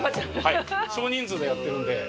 少人数でやってるんで。